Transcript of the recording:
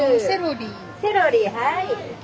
セロリはい！